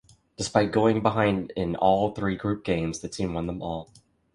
Despite going behind in all three group games, the team won them all.